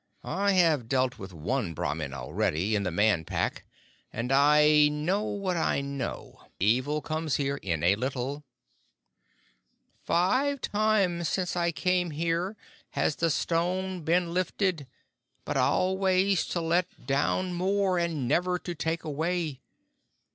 "I have dealt with one Brahmin already, in the Man Pack, and I know what I know. Evil comes here in a little." "Five times since I came here has the stone been lifted, but always to let down more, and never to take away.